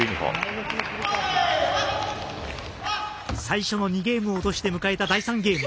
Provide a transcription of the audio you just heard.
最初の２ゲームを落として迎えた第３ゲーム。